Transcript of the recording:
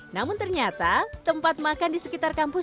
namun ternyata tempat makan di sekitar kampus